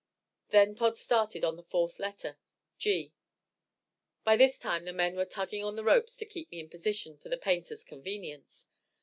Then Pod started on the fourth letter, G. By this time the men were tugging on the ropes to keep me in position for the painter's convenience.